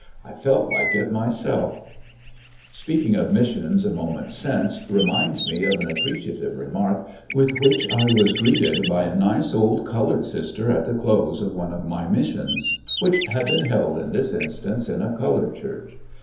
I felt like it myself. ''LubafC Speaking of missions a moment since re minds me of an appreciative remark with which I was greeted by a nice old colored sis ter at the close of one of my missions, which had been held in this instance in a colored church.